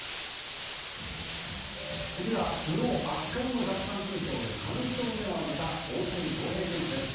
次は昨日、圧巻の奪三振ショーで３勝目を挙げた大谷翔平選手です。